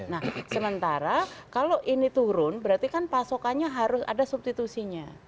nah sementara kalau ini turun berarti kan pasokannya harus ada substitusinya